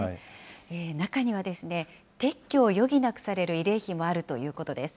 中には、撤去を余儀なくされる慰霊碑もあるということです。